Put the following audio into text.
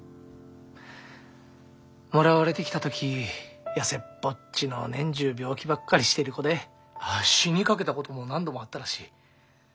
もらわれてきた時痩せっぽっちの年中病気ばっかりしてる子で死にかけたことも何度もあったらしい。